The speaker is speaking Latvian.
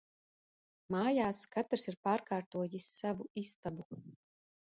Mājās katrs ir pārkārtojis savu istabu.